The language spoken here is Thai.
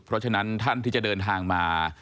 เพราะฉะนั้นท่านที่จะเดินทางมา